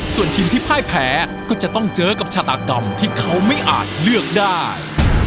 ส่วนทีมที่พ่ายแพ้ก็จะต้องเจอกับชาตากรรมที่เขาไม่อาจเลือกได้